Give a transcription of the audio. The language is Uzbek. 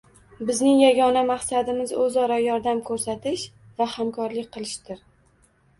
Bizning yagona maqsadimiz o‘zaro yordam ko‘rsatish va hamkorlik qilishdir